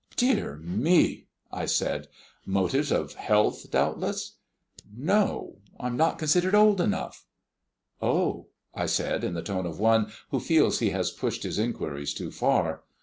"Dear me!" I said; "motives of health, doubtless?" "No, I'm not considered old enough." "Oh!" I said, in the tone of one who feels he has pushed his inquiries too far.